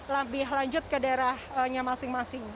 lebih lanjut ke daerahnya masing masing